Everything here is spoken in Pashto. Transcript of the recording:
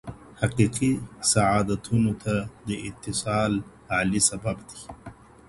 حقيقي سعادتونو ته د اتصال عالي سبب دی.